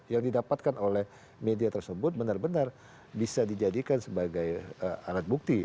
yang didapatkan oleh media tersebut benar benar bisa dijadikan sebagai alat bukti